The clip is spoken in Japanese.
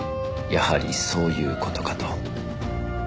やはりそういう事かと